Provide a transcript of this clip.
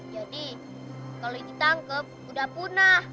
jadi kalau ditangkep udah punah